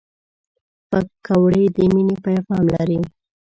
پکورې د مینې پیغام لري